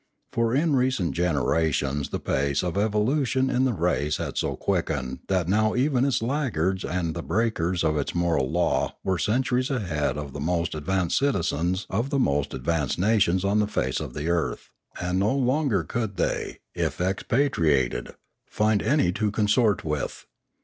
For in recent generations the pace of evolution in the race had so quickened that now even its laggards and the breakers of its moral law were centuries ahead of the most ad vanced citizens of the most advanced nations on the Ethics 615 face of the earth; and no longer could they, if expatri ated, find any to consort with.